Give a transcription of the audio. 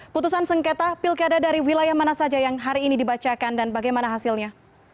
putusan sengketa pilkada dari wilayah mana saja yang hari ini dibacakan dan bagaimana hasilnya